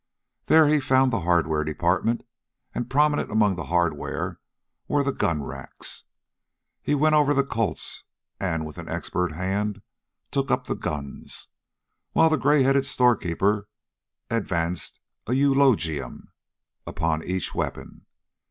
There he found the hardware department, and prominent among the hardware were the gun racks. He went over the Colts and with an expert hand took up the guns, while the gray headed storekeeper advanced an eulogium upon each weapon.